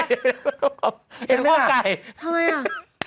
ทุกอย่างก็แบบว่าใช่ทำไมอะ